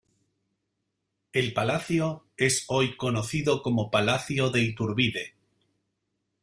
El palacio es hoy conocido como Palacio de Iturbide.